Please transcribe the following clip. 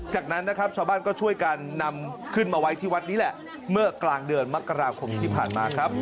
จากนั้นนะครับชาวบ้านก็ช่วยกันนำขึ้นมาไว้ที่วัดนี้แหละเมื่อกลางเดือนมกราคมที่ผ่านมาครับ